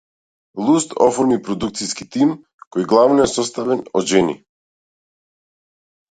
Луст оформи продукциски тим кој главно е составен од жени.